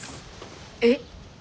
えっ。